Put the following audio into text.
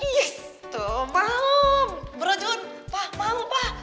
yes tuh mau bro jun pak mau pak